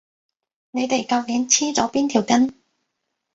你哋究竟黐咗邊條筋？